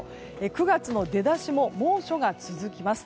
９月の出だしも猛暑が続きます。